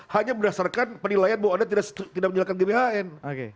hanya berdasarkan penilaian bahwa anda tidak menjalankan gbhn